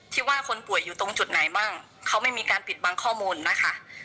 ที่ว่าคนป่วยอยู่ตรงจุดไหนบ้างเขาไม่มีการปิดบังข้อมูลนะคะ